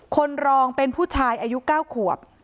คนรองเป็นผู้ชายอายุ๙ขวบ